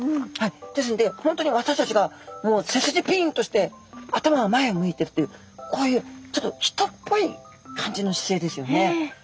ですので本当に私たちがもう背筋ピンとして頭は前を向いてるというこういうちょっと人っぽい感じの姿勢ですよね。